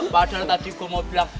padahal tadi gue mau bilang